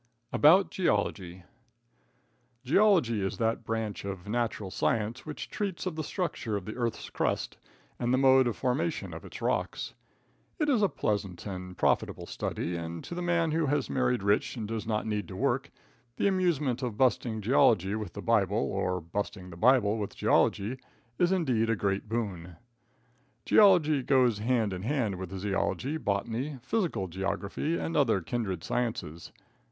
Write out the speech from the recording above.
About Geology. Geology is that branch of natural science which treats of the structure of the earth's crust and the mode of formation of its rocks. It is a pleasant and profitable study, and to the man who has married rich and does not need to work, the amusement of busting geology with the Bible, or busting the Bible with geology is indeed a great boon. Geology goes hand in hand with zoology, botany, physical geography and other kindred sciences.